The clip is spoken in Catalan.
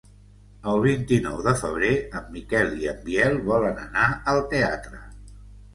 El vint-i-nou de febrer en Miquel i en Biel volen anar al teatre.